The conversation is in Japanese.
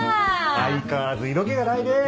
相変わらず色気がないねぇ。